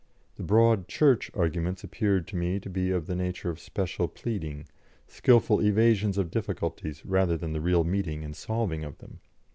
The Broad Church arguments appeared to me to be of the nature of special pleading, skilful evasions of difficulties rather than the real meeting and solving of them.